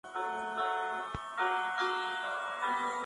Es autor de una serie de manuales de derecho mercantil.